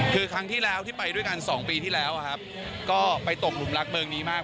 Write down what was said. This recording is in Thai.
คือครั้งที่แล้วที่ไปด้วยกัน๒ปีที่แล้วครับก็ไปตกหลุมรักเบอร์นี้มาก